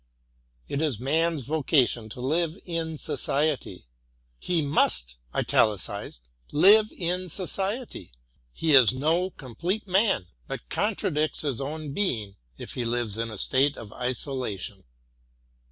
It is man's vocation to live in Society — he must live in Society; — he is no complete man, but contradicts his own being, if he lives in a state of isolation.